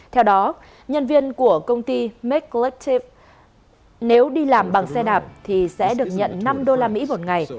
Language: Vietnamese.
theo đó nhân viên của công ty marcode nếu đi làm bằng xe đạp thì sẽ được nhận năm usd một ngày